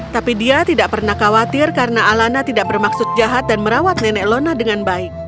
tapi dia tidak pernah khawatir karena alana tidak bermaksud jahat dan merawat nenek lona dengan baik